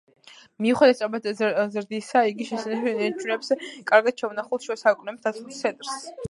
მიუხედავად სწრაფად ზრდისა, იგი შესანიშნავად ინარჩუნებს კარგად შემონახულ, შუა საუკუნეების დაცულ ცენტრს.